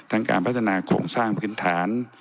การพัฒนาโครงสร้างพื้นฐาน